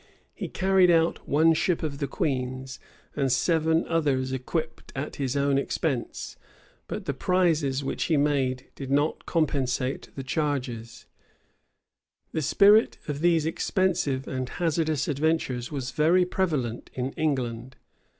He carried out one ship of the queen's, and seven others equipped at his own expense; but the prizes which he made did not compensate the charges.[] [Illustration: 1 527 raleigh.jpg SIR WALTER RALEIGH] The spirit of these expensive and hazardous adventures was very prevalent in England.